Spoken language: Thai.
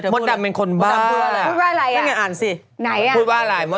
มดดำเป็นคนบ้า